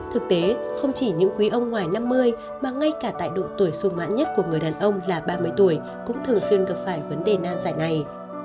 thực tế không chỉ những quý ông ngoài năm mươi mà ngay cả tại độ tuổi xung mãn nhất của người đàn ông là ba mươi tuổi cũng thường xuyên gặp phải vấn đề nan dạy